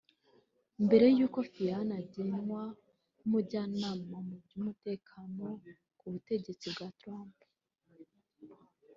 mbere y'uko Flynn agenwa nk’umujyanama mu by’umutekano ku butegetsi bwa Trump